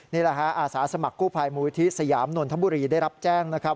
นี่แหละฮะอาสาสมัครกู้ภัยมูลิธิสยามนนทบุรีได้รับแจ้งนะครับ